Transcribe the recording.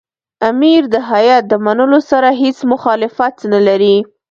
امیر د هیات د منلو سره هېڅ مخالفت نه لري.